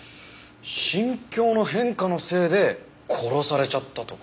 心境の変化のせいで殺されちゃったとか？